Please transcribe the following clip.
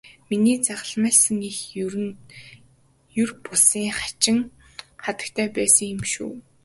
Миний загалмайлсан эх ер бусын хачин хатагтай байсан юм шүү.